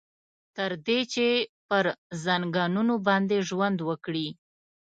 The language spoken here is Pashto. تر دې چې پر ځنګنونو باندې ژوند وکړي.